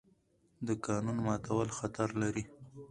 د قانون ماتول خطر لري